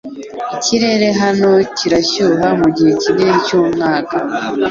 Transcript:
Ikirere hano kirashyuha mugihe kinini cyumwaka.